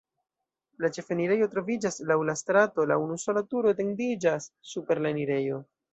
La ĉefenirejo troviĝas laŭ la strato, la unusola turo etendiĝas super la enirejo.